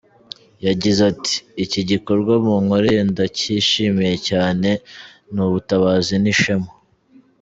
Yagize ati "Iki gikorwa munkoreye ndacyishimiye cyane, ni ubutabazi n’ishema.